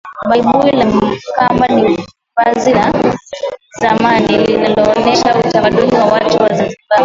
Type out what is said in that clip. Baibui la kamba ni vazi la zamani linaloonesha utamaduni wa watu wa zanzibar